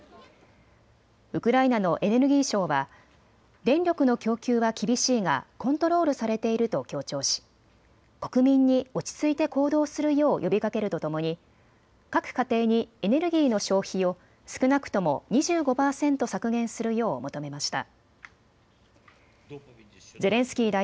ウクライナのエネルギー省は電力の供給は厳しいがコントロールされていると強調し国民に落ち着いて行動するよう呼びかけるとともに各家庭にエネルギーの消費を少なくとも２５％削減するよう求めました。